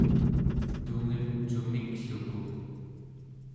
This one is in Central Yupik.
tungen cumikluku